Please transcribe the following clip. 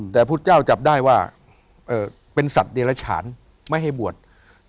แต่พุทธเจ้าจับได้ว่าเป็นสัตว์เดรฉานไม่ให้บวช